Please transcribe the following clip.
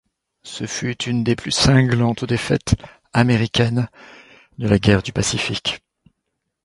Ce fut une des plus cinglantes défaites américaines de la guerre du Pacifique.